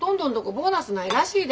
ボーナスないらしいで。